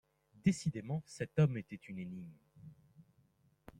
Décidément cet homme était une énigme.